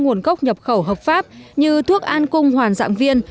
nguồn gốc nhập khẩu hợp pháp như thuốc an cung hoàn dạng viên